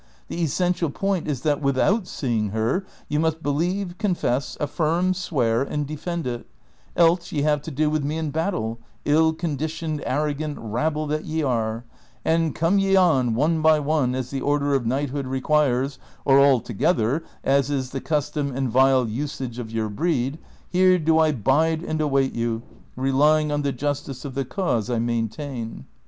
The essential point is that without seeing her you must believe, confess, affirm, swear, and defend it ;^ else ye have to do with me in battle, ill conditioned, ai'rogant rabble that ye are ; and come ye on, one by one as the order of knighthood requires, or all together as is the custom and vile usage of your breed, here do I bide and await you, relying on the justice of the cause I maintain."